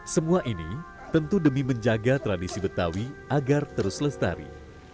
semua ini tentu demi menjaga tradisi betawi agar terus lestari